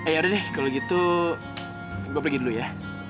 ya udah deh kalau gitu gue pergi dulu ya